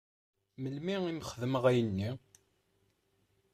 Melmi i m-xedmeɣ ayenni?